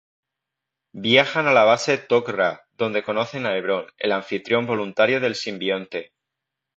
Viajan a la base Tok'ra donde conocen a Hebron, el anfitrión voluntario del simbionte.